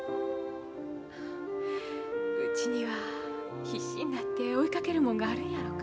うちには必死になって追いかけるもんがあるんやろか。